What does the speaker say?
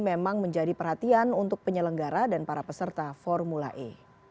memang menjadi perhatian untuk penyelenggara dan para peserta formula e